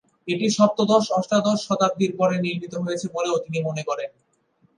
এটি সপ্তদশ-অষ্টাদশ শতাব্দীর পরে নির্মিত হয়েছে বলেও তিনি মনে করেন।